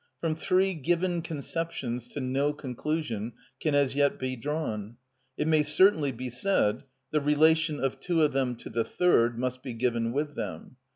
From three given conceptions no conclusion can as yet be drawn. It may certainly be said: the relation of two of them to the third must be given with them.